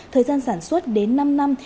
thời gian sản xuất đến năm năm